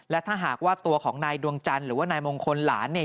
และถ้าหากว่าตัวของนายดวงจันทร์หรือว่านายมงคลหลานเนี่ย